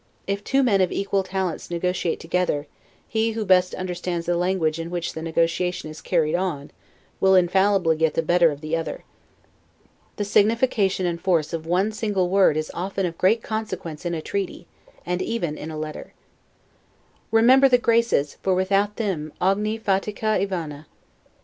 If two men of equal talents negotiate together, he who best understands the language in which the negotiation is carried on, will infallibly get the better of the other. The signification and force of one single word is often of great consequence in a treaty, and even in a letter. Remember the GRACES, for without them 'ogni fatica e vana'.